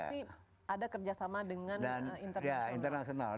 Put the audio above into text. pasti ada kerjasama dengan internasional